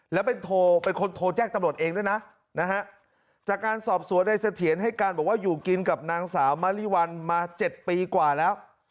แล้วเป็นโทรเป็นคนโทรแจ้งตำรวจเองด้วยนะนะฮะจากการสอบสวนในเสถียรให้การบอกว่าอยู่กินกับนางสาวมะลิวัลมา๗ปีกว่าแล้ว